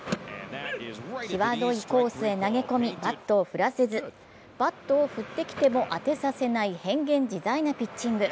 際どいコースへ投げ込み、バットを振らせず、バットを振ってきても当てさせない変幻自在なピッチング。